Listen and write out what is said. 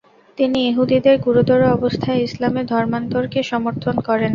তিনি ইহুদিদের গুরুতর অবস্থায় ইসলামে ধর্মান্তরকে সমর্থন করেন।